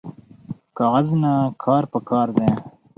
کاغذ نه کار پکار دی